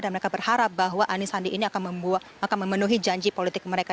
dan mereka berharap bahwa anisandi ini akan memenuhi janji politik mereka